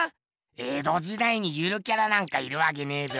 江戸時代にゆるキャラなんかいるわけねえべ。